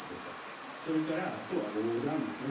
それからあとは黄疸ですね。